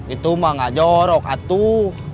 itu mah gak jorok atuh